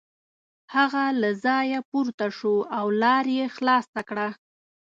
هغه له ځایه پورته شو او لار یې خلاصه کړه.